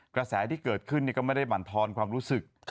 กระแสที่เกิดขึ้นก็ไม่ได้บรรทอนความรู้สึก